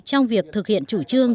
trong việc thực hiện chủ trương